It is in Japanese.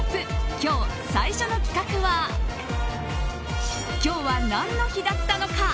今日、最初の企画は今日は何の日だったのか？